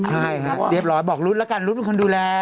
ใช่ฮะเรียบร้อยบอกรุ้นแล้วกันรุ๊ดเป็นคนดูแล